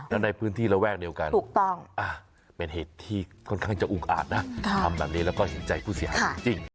แล้วในพื้นที่ระแวกเดียวกันเป็นเหตุที่ค่อนข้างจะอุกอาจนะทำแบบนี้แล้วก็เห็นใจผู้เสียหายจริง